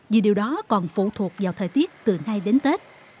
vì điều đó còn phụ thuộc vào thời tiết từ nay đến tết